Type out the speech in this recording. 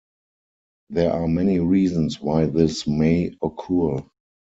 There are many reasons why this may occur.